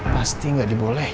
pasti gak diboleh